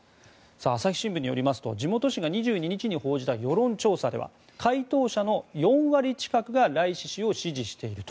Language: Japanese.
朝日新聞によりますと地元紙が２２日に報じた世論調査では回答者の４割近くがライシ師を支持していると。